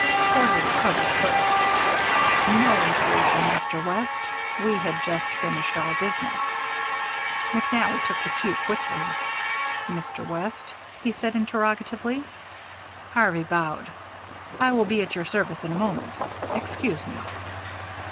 Porter recovered first. "No intrusion, Mr. West. We had just finished our business." McNally took the cue quickly. "Mr. West?" he said interrogatively. Harvey bowed. "I will be at your service in a moment. Excuse me."